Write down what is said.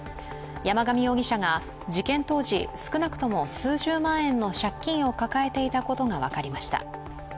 山上容疑者が事件当時少なくとも数十万円の借金を抱えていたことが分かりました。